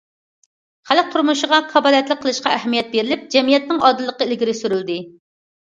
خەلق تۇرمۇشىغا كاپالەتلىك قىلىشقا ئەھمىيەت بېرىلىپ، جەمئىيەتنىڭ ئادىللىقى ئىلگىرى سۈرۈلدى.